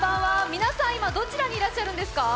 皆さん今どちらにいらっしゃるんですか？